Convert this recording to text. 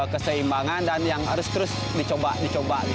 keseimbangan dan yang harus terus dicoba dicoba